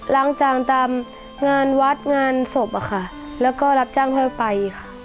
ล้างจางตามงานวัดงานศพอะค่ะแล้วก็รับจ้างทั่วไปค่ะ